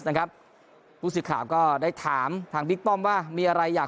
นะครับผู้สื่อข่าวก็ได้ถามทางบิ๊กป้อมว่ามีอะไรอยาก